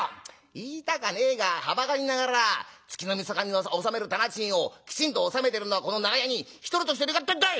言いたかねえがはばかりながら月のみそかに納める店賃をきちんと納めてるのはこの長屋に一人としているかってんだい！